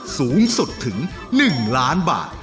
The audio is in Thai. สูงสุดถึง๑ล้านบาท